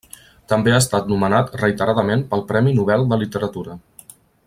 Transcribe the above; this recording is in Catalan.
També ha estat nomenat reiteradament pel premi Nobel de Literatura.